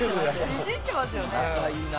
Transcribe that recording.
いじってますよね。